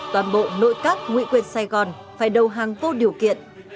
toàn bộ nội các nguyện quyền sài gòn phải đầu hàng vô điều kiện